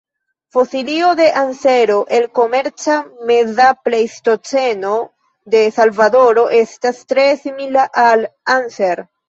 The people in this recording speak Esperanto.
Fosilio de ansero el Komenca-Meza Pleistoceno de Salvadoro estas tre simila al "Anser".